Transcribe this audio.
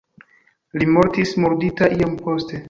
Li mortis murdita iom poste.